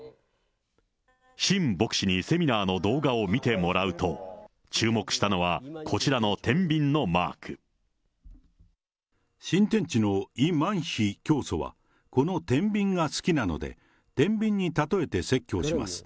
シン牧師にセミナーの動画を見てもらうと、注目したのは、新天地のイ・マンヒ教祖は、このてんびんが好きなので、てんびんに例えて説教します。